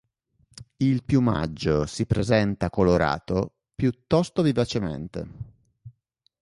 Il piumaggio si presenta colorato piuttosto vivacemente.